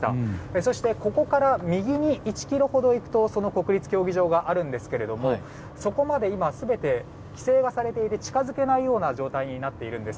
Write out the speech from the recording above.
そしてここから右に１ｋｍほど行くと国立競技場があるんですけどそこまで今全て規制はされていて近づけないような状態になっているんです。